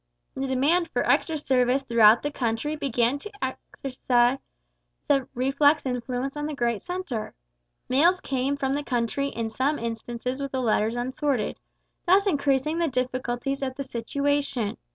The demand for extra service throughout the country began to exercise a reflex influence on the great centre. Mails came from the country in some instances with the letters unsorted, thus increasing the difficulties of the situation.